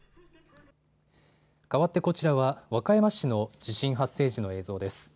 かわってこちらは和歌山市の地震発生時の映像です。